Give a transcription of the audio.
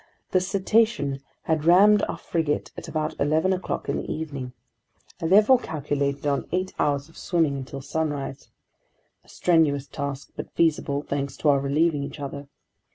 The cetacean had rammed our frigate at about eleven o'clock in the evening. I therefore calculated on eight hours of swimming until sunrise. A strenuous task, but feasible, thanks to our relieving each other.